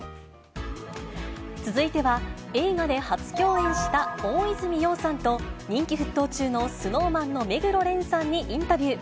続いては、映画で初共演した大泉洋さんと、人気沸騰中のＳｎｏｗＭａｎの目黒蓮さんにインタビュー。